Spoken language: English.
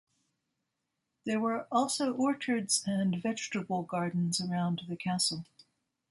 There were also orchards and vegetable gardens around the castle.